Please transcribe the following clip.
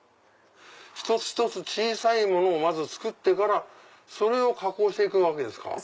一つ一つ小さいものをまず作ってからそれを加工して行くわけですか？